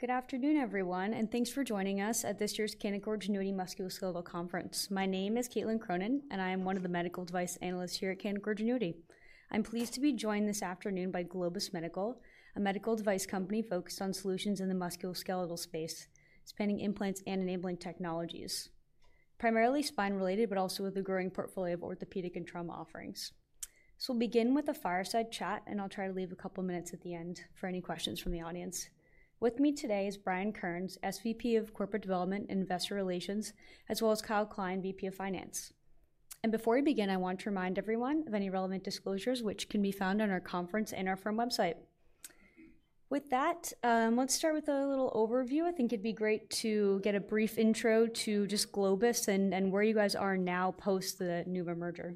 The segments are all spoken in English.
Good afternoon, everyone, and thanks for joining us at this year's Cantor Fitzgerald Musculoskeletal Conference. My name is Kaitlyn Cronin, and I am one of the medical device analysts here at Cantor Fitzgerald. I'm pleased to be joined this afternoon by Globus Medical, a medical device company focused on solutions in the musculoskeletal space, spanning implants and enabling technologies, primarily spine-related, but also with a growing portfolio of orthopedic and trauma offerings. We'll begin with a fireside chat, and I'll try to leave a couple of minutes at the end for any questions from the audience. With me today is Brian Kearns, SVP of Corporate Development and Investor Relations, as well as Kyle Kline, VP of Finance. Before we begin, I want to remind everyone of any relevant disclosures, which can be found on our conference and our firm website. With that, let's start with a little overview. I think it'd be great to get a brief intro to just Globus and where you guys are now post the NuVa merger.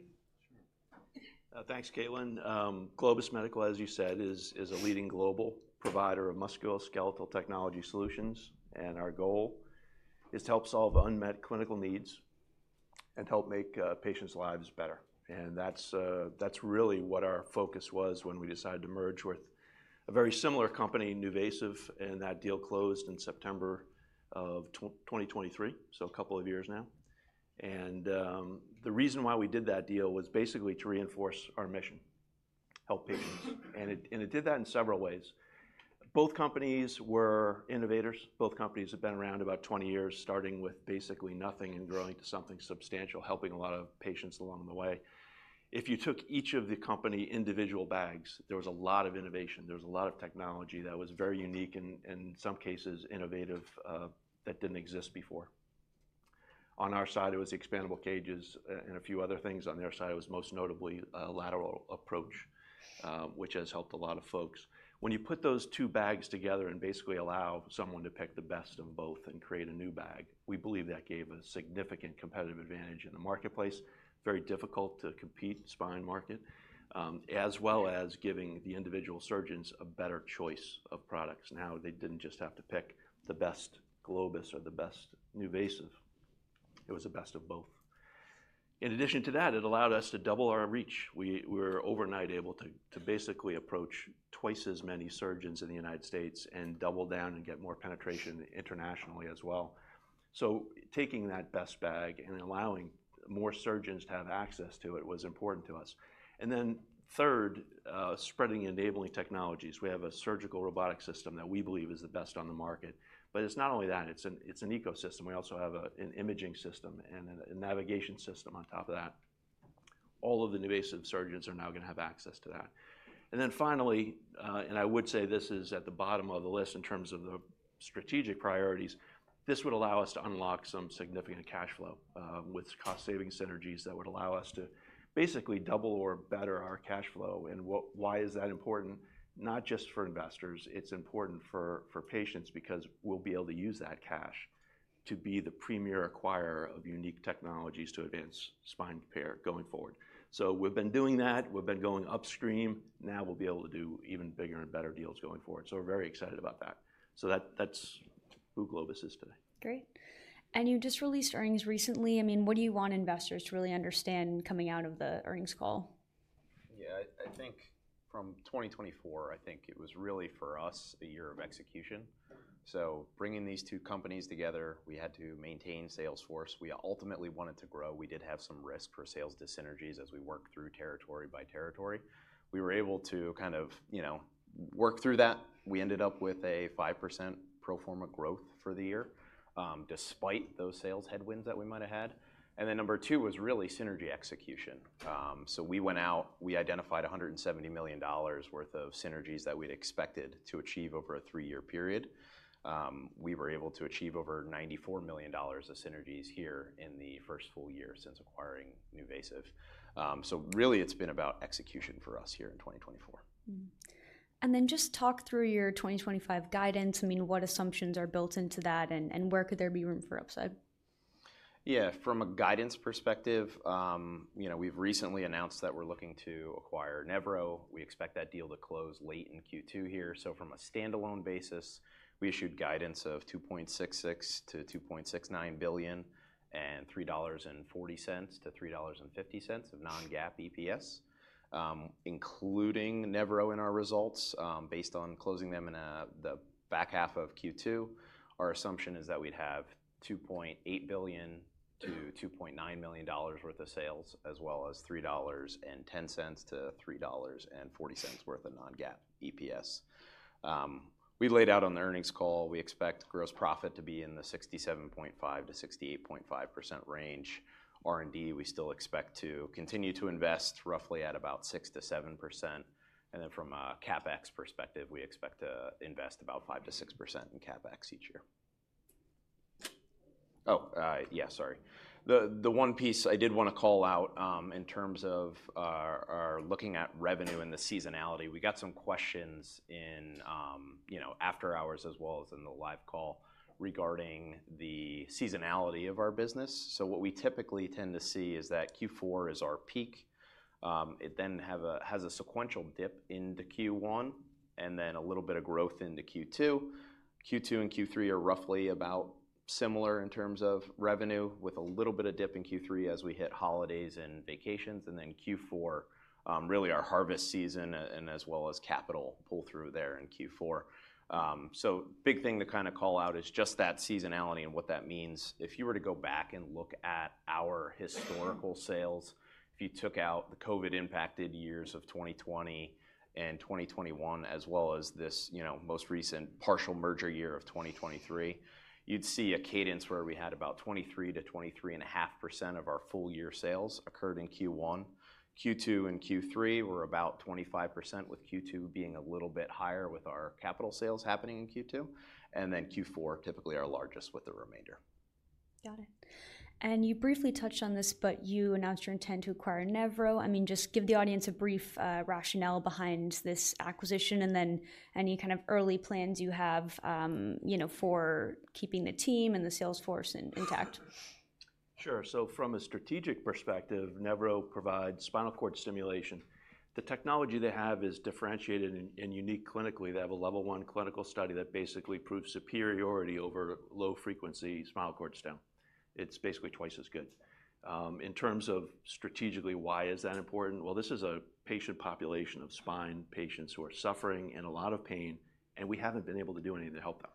Thanks, Kaitlyn. Globus Medical, as you said, is a leading global provider of musculoskeletal technology solutions, and our goal is to help solve unmet clinical needs and help make patients' lives better. That's really what our focus was when we decided to merge with a very similar company, NuVasive, and that deal closed in September of 2023, so a couple of years now. The reason why we did that deal was basically to reinforce our mission: help patients. It did that in several ways. Both companies were innovators. Both companies have been around about 20 years, starting with basically nothing and growing to something substantial, helping a lot of patients along the way. If you took each of the company's individual bags, there was a lot of innovation. There was a lot of technology that was very unique and, in some cases, innovative that didn't exist before. On our side, it was expandable cages and a few other things. On their side, it was most notably a lateral approach, which has helped a lot of folks. When you put those two bags together and basically allow someone to pick the best of both and create a new bag, we believe that gave a significant competitive advantage in the marketplace, very difficult to compete in the spine market, as well as giving the individual surgeons a better choice of products. Now, they did not just have to pick the best Globus or the best NuVasive. It was the best of both. In addition to that, it allowed us to double our reach. We were overnight able to basically approach twice as many surgeons in the United States and double down and get more penetration internationally as well. Taking that best bag and allowing more surgeons to have access to it was important to us. Third, spreading and enabling technologies. We have a surgical robotic system that we believe is the best on the market, but it's not only that. It's an ecosystem. We also have an imaging system and a navigation system on top of that. All of the NuVasive surgeons are now going to have access to that. Finally, and I would say this is at the bottom of the list in terms of the strategic priorities, this would allow us to unlock some significant cash flow with cost-saving synergies that would allow us to basically double or better our cash flow. Why is that important? Not just for investors. It's important for patients because we'll be able to use that cash to be the premier acquirer of unique technologies to advance spine care going forward. We've been doing that. We've been going upstream. Now we'll be able to do even bigger and better deals going forward. We're very excited about that. That's who Globus is today. Great. You just released earnings recently. I mean, what do you want investors to really understand coming out of the earnings call? Yeah, I think from 2024, I think it was really for us a year of execution. Bringing these two companies together, we had to maintain sales force. We ultimately wanted to grow. We did have some risk for sales dis-synergies as we worked through territory by territory. We were able to kind of work through that. We ended up with a 5% pro forma growth for the year despite those sales headwinds that we might have had. Number two was really synergy execution. We went out, we identified $170 million worth of synergies that we'd expected to achieve over a three-year period. We were able to achieve over $94 million of synergies here in the first full year since acquiring NuVasive. Really, it's been about execution for us here in 2024. Just talk through your 2025 guidance. I mean, what assumptions are built into that, and where could there be room for upside? Yeah, from a guidance perspective, we've recently announced that we're looking to acquire Nevro. We expect that deal to close late in Q2 here. From a standalone basis, we issued guidance of $2.66 billion-$2.69 billion and $3.40-$3.50 of non-GAAP EPS, including Nevro in our results. Based on closing them in the back half of Q2, our assumption is that we'd have $2.8 billion-$2.9 billion worth of sales, as well as $3.10-$3.40 worth of non-GAAP EPS. We laid out on the earnings call, we expect gross profit to be in the 67.5%-68.5% range. R&D, we still expect to continue to invest roughly at about 6%-7%. From a CapEx perspective, we expect to invest about 5%-6% in CapEx each year. Oh, yeah, sorry. The one piece I did want to call out in terms of looking at revenue and the seasonality, we got some questions in after hours as well as in the live call regarding the seasonality of our business. What we typically tend to see is that Q4 is our peak. It then has a sequential dip into Q1 and then a little bit of growth into Q2. Q2 and Q3 are roughly about similar in terms of revenue, with a little bit of dip in Q3 as we hit holidays and vacations. Q4 is really our harvest season and as well as capital pull-through there in Q4. A big thing to kind of call out is just that seasonality and what that means. If you were to go back and look at our historical sales, if you took out the COVID-impacted years of 2020 and 2021, as well as this most recent partial merger year of 2023, you'd see a cadence where we had about 23%-23.5% of our full-year sales occurred in Q1. Q2 and Q3 were about 25%, with Q2 being a little bit higher with our capital sales happening in Q2. Q4 typically our largest with the remainder. Got it. You briefly touched on this, but you announced your intent to acquire Nevro. I mean, just give the audience a brief rationale behind this acquisition and then any kind of early plans you have for keeping the team and the sales force intact. Sure. From a strategic perspective, Nevro provides spinal cord stimulation. The technology they have is differentiated and unique clinically. They have a Level I clinical study that basically proves superiority over low-frequency spinal cord stim. It's basically twice as good. In terms of strategically, why is that important? This is a patient population of spine patients who are suffering and a lot of pain, and we haven't been able to do anything to help them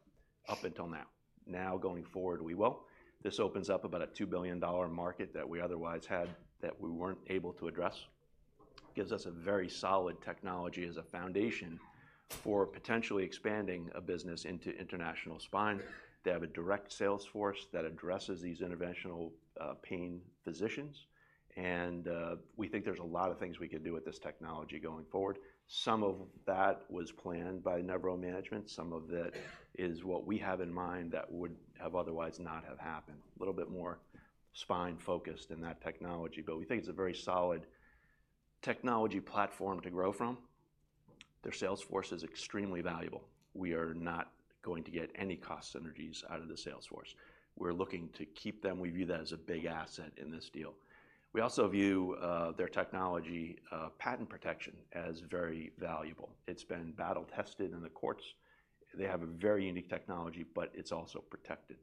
up until now. Now going forward, we will. This opens up about a $2 billion market that we otherwise had that we weren't able to address. It gives us a very solid technology as a foundation for potentially expanding a business into international spine. They have a direct sales force that addresses these interventional pain physicians. We think there's a lot of things we could do with this technology going forward. Some of that was planned by Nevro management. Some of it is what we have in mind that would have otherwise not happened. A little bit more spine-focused in that technology, but we think it's a very solid technology platform to grow from. Their sales force is extremely valuable. We are not going to get any cost synergies out of the sales force. We're looking to keep them. We view that as a big asset in this deal. We also view their technology patent protection as very valuable. It's been battle-tested in the courts. They have a very unique technology, but it's also protected.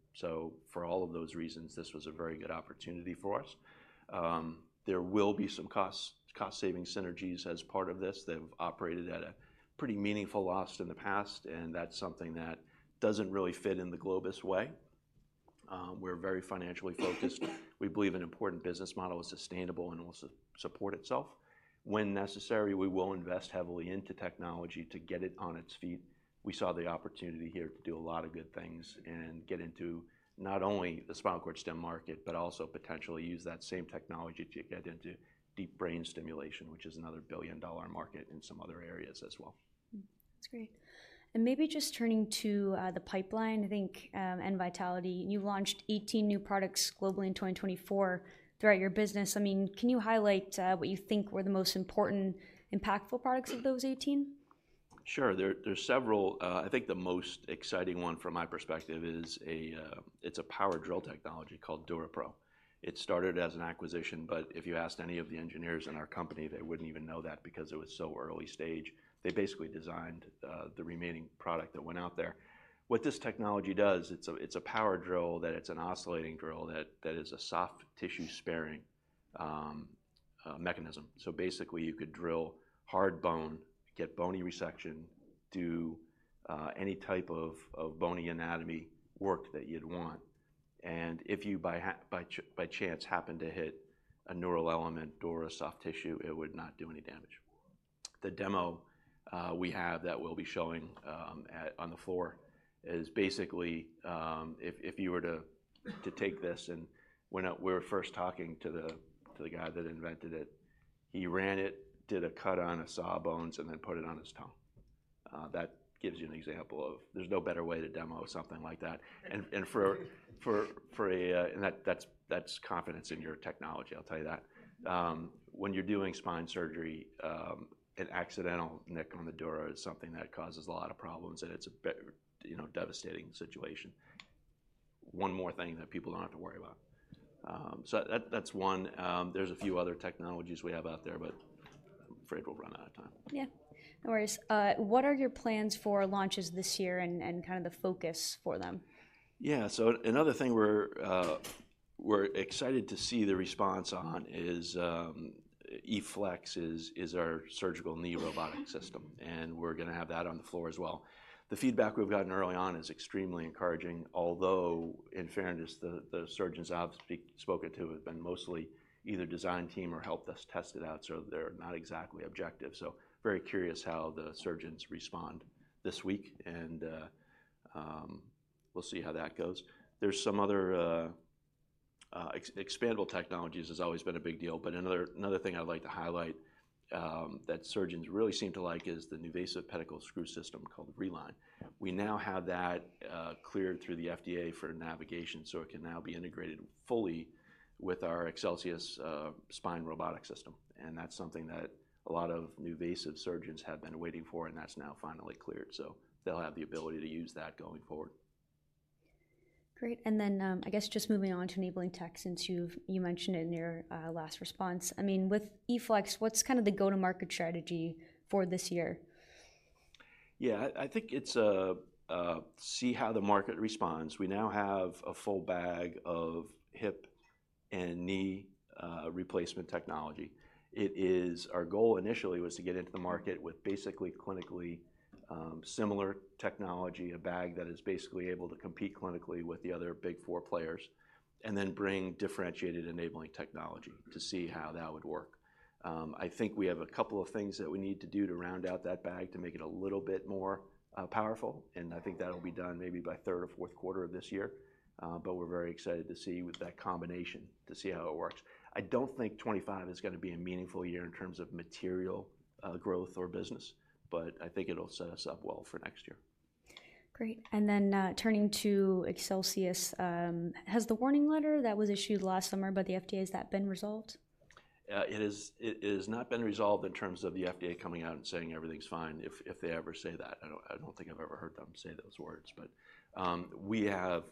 For all of those reasons, this was a very good opportunity for us. There will be some cost-saving synergies as part of this. They've operated at a pretty meaningful loss in the past, and that's something that doesn't really fit in the Globus way. We're very financially focused. We believe an important business model is sustainable and will support itself. When necessary, we will invest heavily into technology to get it on its feet. We saw the opportunity here to do a lot of good things and get into not only the spinal cord stimulation market, but also potentially use that same technology to get into deep brain stimulation, which is another billion-dollar market in some other areas as well. That's great. Maybe just turning to the pipeline, I think, and vitality. You launched 18 new products globally in 2024 throughout your business. I mean, can you highlight what you think were the most important, impactful products of those 18? Sure. There's several. I think the most exciting one from my perspective is a power drill technology called DuraPro. It started as an acquisition, but if you asked any of the engineers in our company, they wouldn't even know that because it was so early stage. They basically designed the remaining product that went out there. What this technology does, it's a power drill that it's an oscillating drill that is a soft tissue sparing mechanism. Basically, you could drill hard bone, get bony resection, do any type of bony anatomy work that you'd want. If you by chance happen to hit a neural element or a soft tissue, it would not do any damage. The demo we have that we'll be showing on the floor is basically if you were to take this and we were first talking to the guy that invented it, he ran it, did a cut on his Sawbones, and then put it on his tongue. That gives you an example of there's no better way to demo something like that. And that's confidence in your technology, I'll tell you that. When you're doing spine surgery, an accidental nick on the dura is something that causes a lot of problems, and it's a devastating situation. One more thing that people don't have to worry about. That's one. There's a few other technologies we have out there, but I'm afraid we'll run out of time. Yeah. No worries. What are your plans for launches this year and kind of the focus for them? Yeah. Another thing we're excited to see the response on is E-Flex is our surgical knee robotic system. We're going to have that on the floor as well. The feedback we've gotten early on is extremely encouraging, although in fairness, the surgeons I've spoken to have been mostly either design team or helped us test it out, so they're not exactly objective. Very curious how the surgeons respond this week, and we'll see how that goes. There's some other expandable technologies has always been a big deal. Another thing I'd like to highlight that surgeons really seem to like is the NuVasive pedicle screw system called Reline. We now have that cleared through the FDA for navigation, so it can now be integrated fully with our Excelsius spine robotic system. That is something that a lot of NuVasive surgeons have been waiting for, and that is now finally cleared. They will have the ability to use that going forward. Great. I guess just moving on to enabling tech since you mentioned it in your last response. I mean, with E-Flex, what's kind of the go-to-market strategy for this year? Yeah, I think it's see how the market responds. We now have a full bag of hip and knee replacement technology. Our goal initially was to get into the market with basically clinically similar technology, a bag that is basically able to compete clinically with the other big four players, and then bring differentiated enabling technology to see how that would work. I think we have a couple of things that we need to do to round out that bag to make it a little bit more powerful. I think that'll be done maybe by third or fourth quarter of this year. We are very excited to see that combination, to see how it works. I don't think 2025 is going to be a meaningful year in terms of material growth or business, but I think it'll set us up well for next year. Great. Turning to Excelsius, has the warning letter that was issued last summer by the FDA, has that been resolved? It has not been resolved in terms of the FDA coming out and saying everything's fine if they ever say that. I don't think I've ever heard them say those words. We have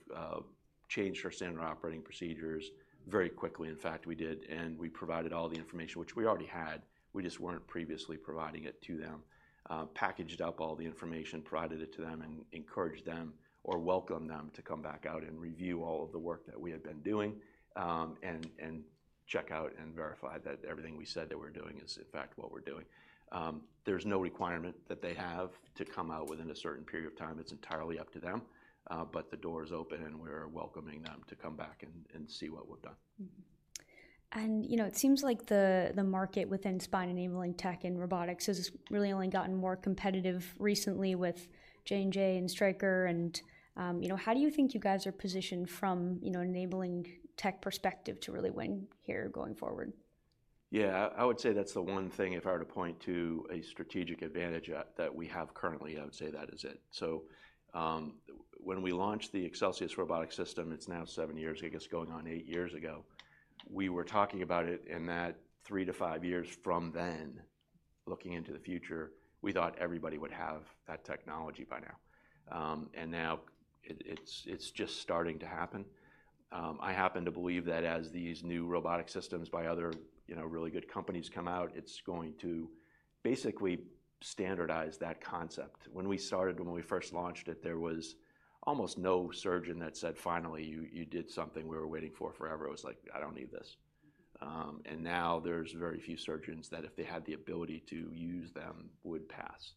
changed our standard operating procedures very quickly. In fact, we did, and we provided all the information, which we already had. We just weren't previously providing it to them. Packaged up all the information, provided it to them, and encouraged them or welcomed them to come back out and review all of the work that we had been doing and check out and verify that everything we said that we're doing is in fact what we're doing. There's no requirement that they have to come out within a certain period of time. It's entirely up to them. The door is open, and we're welcoming them to come back and see what we've done. It seems like the market within spine enabling tech and robotics has really only gotten more competitive recently with J&J and Stryker. How do you think you guys are positioned from an enabling tech perspective to really win here going forward? Yeah, I would say that's the one thing if I were to point to a strategic advantage that we have currently, I would say that is it. When we launched the Excelsius robotic system, it's now seven years, I guess going on eight years ago, we were talking about it and that three to five years from then, looking into the future, we thought everybody would have that technology by now. Now it's just starting to happen. I happen to believe that as these new robotic systems by other really good companies come out, it's going to basically standardize that concept. When we started, when we first launched it, there was almost no surgeon that said, "Finally, you did something we were waiting for forever." It was like, "I don't need this." Now there's very few surgeons that if they had the ability to use them would pass.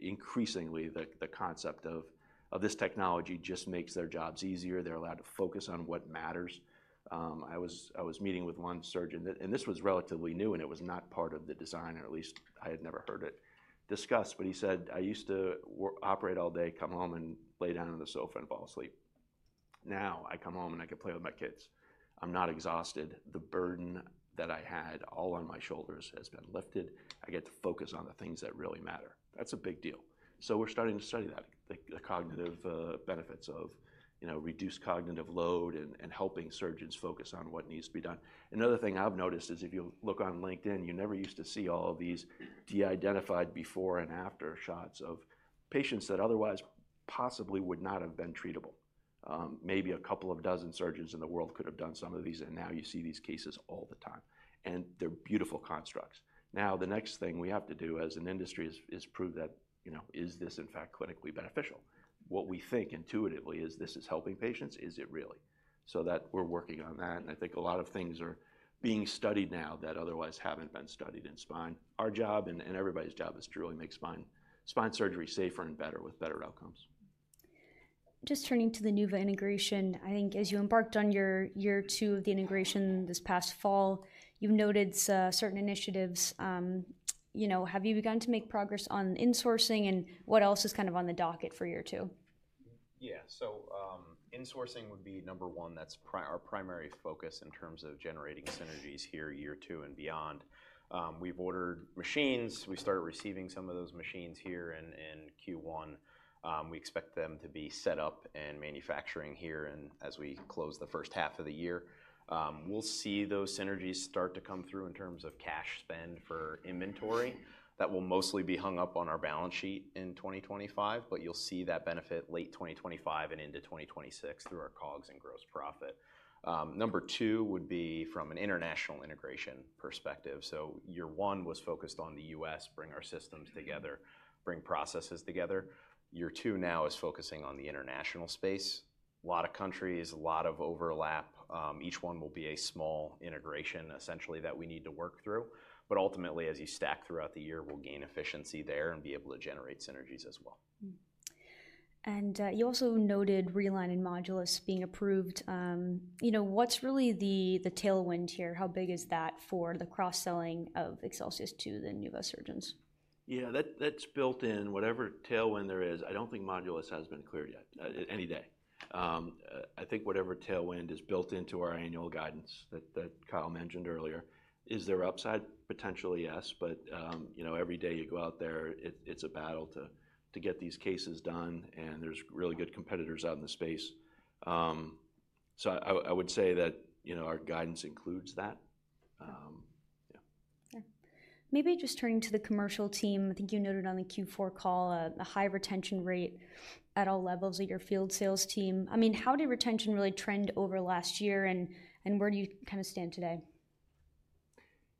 Increasingly, the concept of this technology just makes their jobs easier. They're allowed to focus on what matters. I was meeting with one surgeon, and this was relatively new, and it was not part of the design, or at least I had never heard it discussed. He said, "I used to operate all day, come home and lay down on the sofa and fall asleep. Now I come home and I can play with my kids. I'm not exhausted. The burden that I had all on my shoulders has been lifted. I get to focus on the things that really matter. That's a big deal. We're starting to study that, the cognitive benefits of reduced cognitive load and helping surgeons focus on what needs to be done. Another thing I've noticed is if you look on LinkedIn, you never used to see all of these de-identified before and after shots of patients that otherwise possibly would not have been treatable. Maybe a couple of dozen surgeons in the world could have done some of these, and now you see these cases all the time. They're beautiful constructs. The next thing we have to do as an industry is prove that, is this in fact clinically beneficial? What we think intuitively is this is helping patients. Is it really? We're working on that. I think a lot of things are being studied now that otherwise haven't been studied in spine. Our job and everybody's job is to really make spine surgery safer and better with better outcomes. Just turning to the NuVa integration, I think as you embarked on year two of the integration this past fall, you've noted certain initiatives. Have you begun to make progress on insourcing, and what else is kind of on the docket for year two? Yeah. Insourcing would be number one. That's our primary focus in terms of generating synergies here year two and beyond. We've ordered machines. We started receiving some of those machines here in Q1. We expect them to be set up and manufacturing here as we close the first half of the year. We'll see those synergies start to come through in terms of cash spend for inventory. That will mostly be hung up on our balance sheet in 2025, but you'll see that benefit late 2025 and into 2026 through our COGS and gross profit. Number two would be from an international integration perspective. Year one was focused on the U.S., bring our systems together, bring processes together. Year two now is focusing on the international space. A lot of countries, a lot of overlap. Each one will be a small integration essentially that we need to work through. Ultimately, as you stack throughout the year, we'll gain efficiency there and be able to generate synergies as well. You also noted Reline and Modulus being approved. What's really the tailwind here? How big is that for the cross-selling of Excelsius to the NuVa surgeons? Yeah, that's built in. Whatever tailwind there is, I don't think Modulus has been cleared yet any day. I think whatever tailwind is built into our annual guidance that Kyle mentioned earlier, is there upside? Potentially, yes. Every day you go out there, it's a battle to get these cases done, and there's really good competitors out in the space. I would say that our guidance includes that. Yeah. Yeah. Maybe just turning to the commercial team. I think you noted on the Q4 call a high retention rate at all levels at your field sales team. I mean, how did retention really trend over last year, and where do you kind of stand today?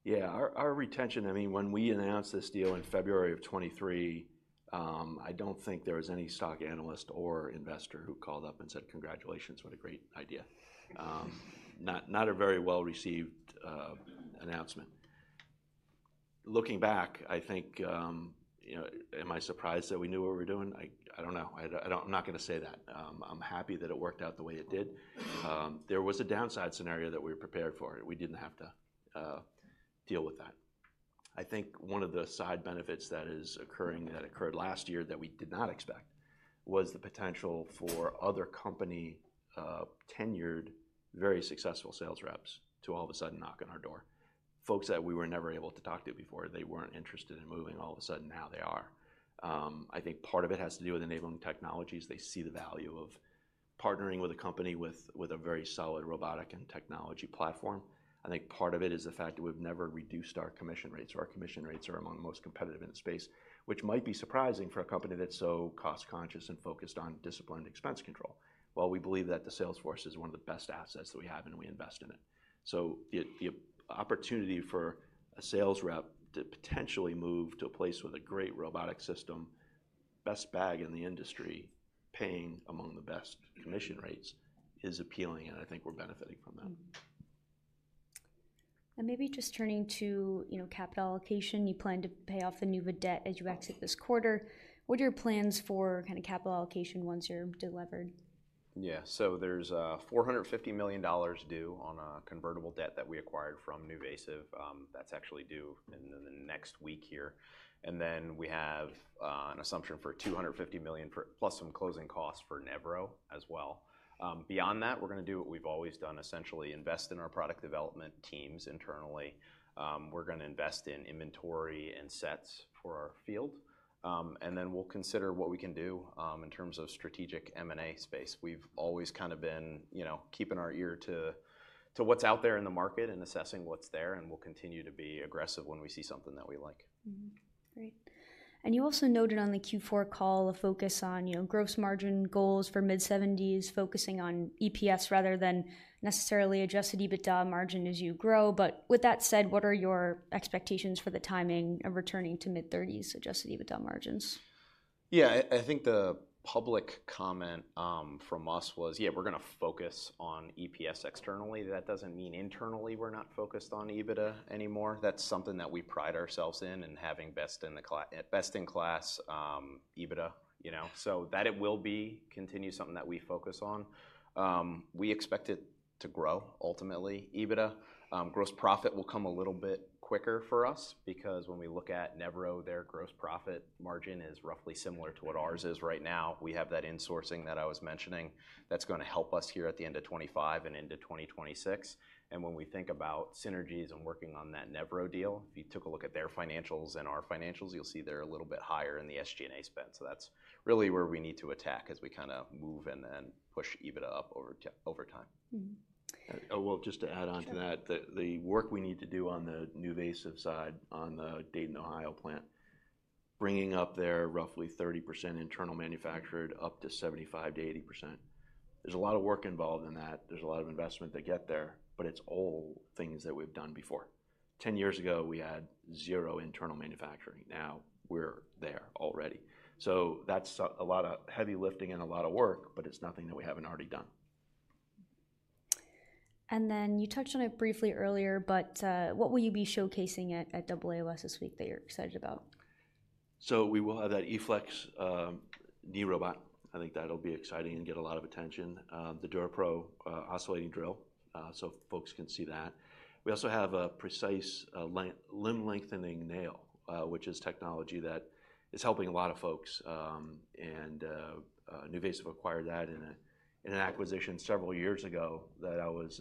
Yeah, our retention, I mean, when we announced this deal in February of 2023, I do not think there was any stock analyst or investor who called up and said, "Congratulations, what a great idea." Not a very well-received announcement. Looking back, I think, am I surprised that we knew what we were doing? I do not know. I am not going to say that. I am happy that it worked out the way it did. There was a downside scenario that we were prepared for. We did not have to deal with that. I think one of the side benefits that is occurring that occurred last year that we did not expect was the potential for other company-tenured, very successful sales reps to all of a sudden knock on our door. Folks that we were never able to talk to before, they were not interested in moving. All of a sudden, now they are. I think part of it has to do with enabling technologies. They see the value of partnering with a company with a very solid robotic and technology platform. I think part of it is the fact that we've never reduced our commission rates. Our commission rates are among the most competitive in the space, which might be surprising for a company that's so cost-conscious and focused on disciplined expense control. We believe that the sales force is one of the best assets that we have, and we invest in it. The opportunity for a sales rep to potentially move to a place with a great robotic system, best bag in the industry, paying among the best commission rates is appealing, and I think we're benefiting from that. Maybe just turning to capital allocation, you plan to pay off the NuVasive debt as you exit this quarter. What are your plans for kind of capital allocation once you're delivered? Yeah. There is $450 million due on a convertible debt that we acquired from NuVasive. That is actually due in the next week here. We have an assumption for $250 million plus some closing costs for Nevro as well. Beyond that, we are going to do what we have always done, essentially invest in our product development teams internally. We are going to invest in inventory and sets for our field. We will consider what we can do in terms of strategic M&A space. We have always kind of been keeping our ear to what is out there in the market and assessing what is there, and we will continue to be aggressive when we see something that we like. Great. You also noted on the Q4 call a focus on gross margin goals for mid-70s, focusing on EPS rather than necessarily adjusted EBITDA margin as you grow. With that said, what are your expectations for the timing of returning to mid-30s adjusted EBITDA margins? Yeah, I think the public comment from us was, "Yeah, we're going to focus on EPS externally." That doesn't mean internally we're not focused on EBITDA anymore. That's something that we pride ourselves in and having best in class EBITDA. That will be continued something that we focus on. We expect it to grow ultimately. EBITDA, gross profit will come a little bit quicker for us because when we look at Nevro, their gross profit margin is roughly similar to what ours is right now. We have that insourcing that I was mentioning that's going to help us here at the end of 2025 and into 2026. When we think about synergies and working on that Nevro deal, if you took a look at their financials and our financials, you'll see they're a little bit higher in the SG&A spend. That's really where we need to attack as we kind of move and push EBITDA up over time. Just to add on to that, the work we need to do on the NuVasive side on the Dayton, Ohio plant, bringing up their roughly 30% internal manufactured up to 75-80%. There's a lot of work involved in that. There's a lot of investment to get there, but it's all things that we've done before. Ten years ago, we had zero internal manufacturing. Now we're there already. That's a lot of heavy lifting and a lot of work, but it's nothing that we haven't already done. You touched on it briefly earlier, but what will you be showcasing at AAOS this week that you're excited about? We will have that E-Flex knee robot. I think that'll be exciting and get a lot of attention. The DuraPro oscillating drill, so folks can see that. We also have a Precice limb lengthening nail, which is technology that is helping a lot of folks. NuVasive acquired that in an acquisition several years ago that I was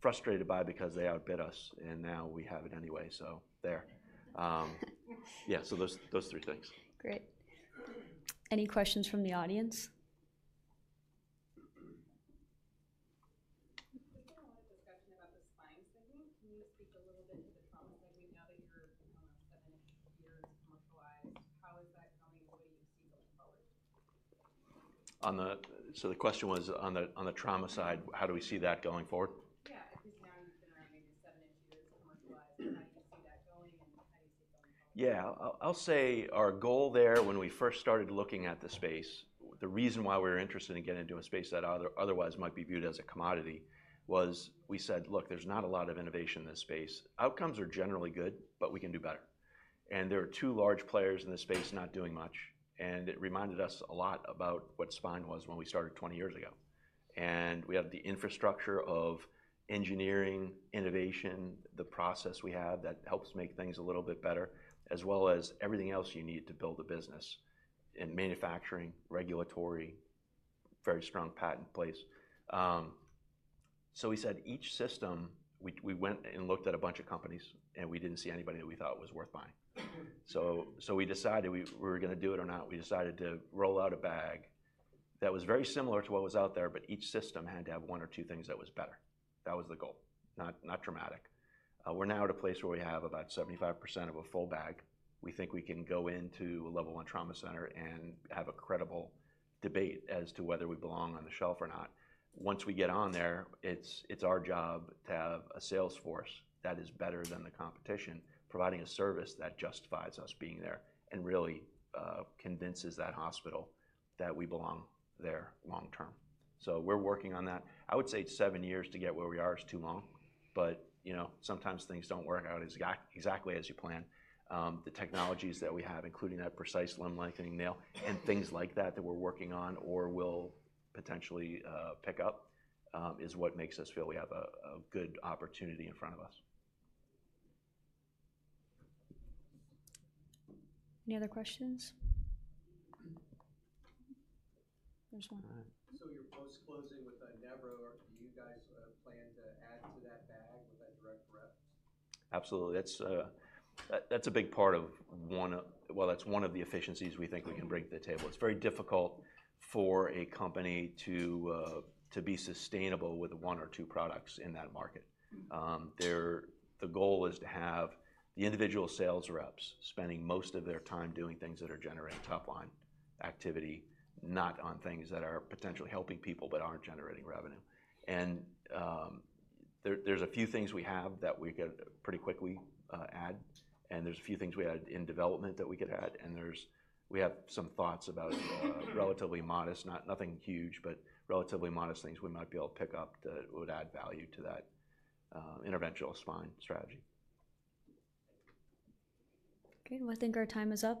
frustrated by because they outbid us, and now we have it anyway. So there. Yeah, those three things. Great. Any questions from the audience? We've had a lot of discussion about the spine spending. Can you speak a little bit to the trauma spending now that you're almost seven-ish years commercialized? How is that going, and what do you see going forward? The question was on the trauma side, how do we see that going forward? Yeah, at least now you've been around maybe seven-ish years commercialized. How do you see that going, and how do you see it going forward? Yeah, I'll say our goal there when we first started looking at the space, the reason why we were interested in getting into a space that otherwise might be viewed as a commodity was we said, "Look, there's not a lot of innovation in this space. Outcomes are generally good, but we can do better." There are two large players in this space not doing much. It reminded us a lot about what spine was when we started 20 years ago. We have the infrastructure of engineering, innovation, the process we have that helps make things a little bit better, as well as everything else you need to build a business in manufacturing, regulatory, very strong patent place. We said each system, we went and looked at a bunch of companies, and we didn't see anybody that we thought was worth buying. We decided we were going to do it or not. We decided to roll out a bag that was very similar to what was out there, but each system had to have one or two things that was better. That was the goal, not dramatic. We're now at a place where we have about 75% of a full bag. We think we can go into a Level I trauma center and have a credible debate as to whether we belong on the shelf or not. Once we get on there, it's our job to have a sales force that is better than the competition, providing a service that justifies us being there and really convinces that hospital that we belong there long term. We're working on that. I would say seven years to get where we are is too long, but sometimes things do not work out exactly as you plan. The technologies that we have, including that Precice limb lengthening nail and things like that that we are working on or will potentially pick up, is what makes us feel we have a good opportunity in front of us. Any other questions? There's one. You're post-closing with Nevro. Do you guys plan to add to that bag with a direct rep? Absolutely. That's a big part of one of, well, that's one of the efficiencies we think we can bring to the table. It's very difficult for a company to be sustainable with one or two products in that market. The goal is to have the individual sales reps spending most of their time doing things that are generating top-line activity, not on things that are potentially helping people but aren't generating revenue. There are a few things we have that we could pretty quickly add, and there are a few things we had in development that we could add. We have some thoughts about relatively modest, nothing huge, but relatively modest things we might be able to pick up that would add value to that interventional spine strategy. Good. I think our time is up.